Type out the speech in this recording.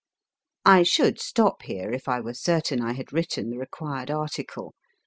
I should stop here if I were certain I had written the required article.